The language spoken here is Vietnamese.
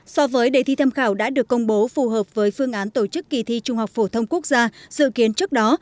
so với đề thi tham khảo đã được công bố phù hợp với phương án tổ chức kỳ thi trung học phổ thông quốc gia dự kiến trước đó